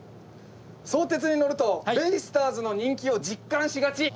「相鉄に乗るとベイスターズの人気を実感しがち」。